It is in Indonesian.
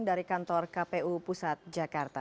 dari kantor kpu pusat jakarta